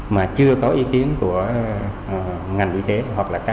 mà chưa có ý kiến của ngành y tế hoặc là các